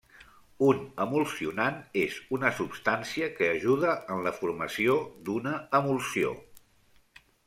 Un emulsionant és una substància que ajuda en la formació d'una emulsió.